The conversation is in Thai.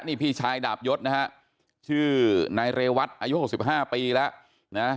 นี่พี่ชายดาบยศนะฮะชื่อนายเรวัตรอายุหกสิบห้าปีแล้วนะฮะ